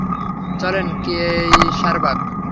চলেন, কেয়সারবাগ।